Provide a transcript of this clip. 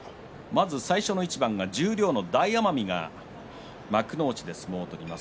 最初の一番は十両の大奄美が幕内で相撲を取ります。